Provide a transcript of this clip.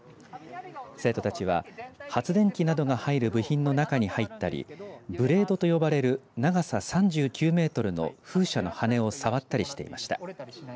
生徒たちは発電機などが入る部品の中に入ったりブレードと呼ばれる長さ３９メートルの風車の羽根を触ったりしていました。